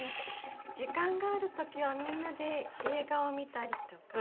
時間がある時はみんなで映画を見たりとか。